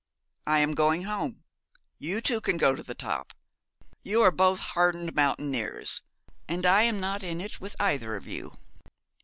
'I am going home. You two can go to the top. You are both hardened mountaineers, and I am not in it with either of you.